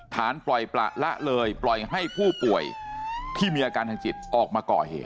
ฐานปล่อยประละเลยปล่อยให้ผู้ป่วยที่มีอาการทางจิตออกมาก่อเหตุ